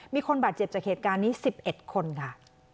มีคนบาดเจ็บจากเหตุการณ์นี้๑๑คนค่ะ